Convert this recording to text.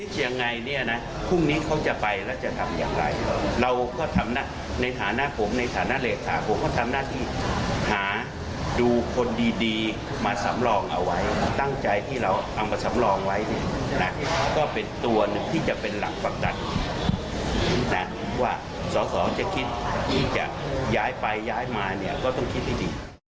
แต่ว่าสาของจะคิดที่จะย้ายไปย้ายมาเนี่ยก็ต้องคิดดี